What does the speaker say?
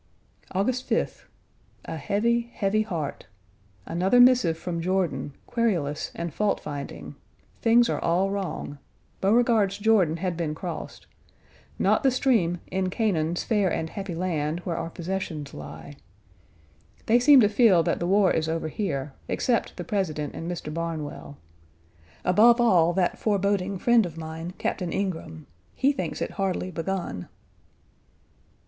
August 5th. A heavy, heavy heart. Another missive from Jordan, querulous and fault finding; things are all wrong Beauregard's Jordan had been crossed, not the stream "in Canaan's fair and happy land, where our possessions lie." They seem to feel that the war is over here, except the President and Mr. Barnwell; above all that foreboding friend of mine, Captain Ingraham. He thinks it hardly begun.